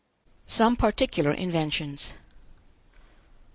SOME PARTICULAR INVENTIONS.